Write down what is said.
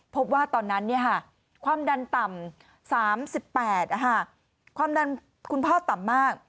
พบว่าตอนนั้นความดันต่ำ๓๘ความดันคุณพ่อต่ำมาก